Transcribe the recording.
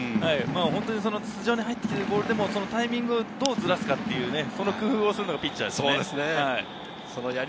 筒状に入ってきたボールでも、タイミングをどうずらすかで工夫をするのがピッチャーです。